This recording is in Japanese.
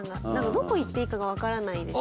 どこ行っていいかが分からないです。